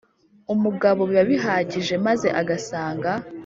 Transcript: umugabo biba bihagije maze agasanga